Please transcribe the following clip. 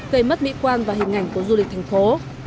gây mất mỹ quan và hình ảnh của du lịch thành phố